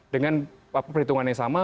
dengan perhitungannya sama